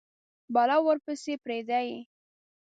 بلا ورپسي پریده یﺉ